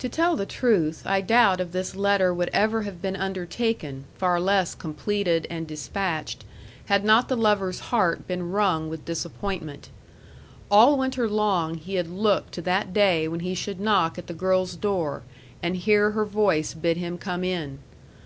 To tell the truth, I doubt if this letter would ever have been undertaken, far less completed and despatched, had not the lover's heart been wrung with disappointment. All winter long he had looked to that day when he should knock at the girl's door, and hear her voice bid him come in.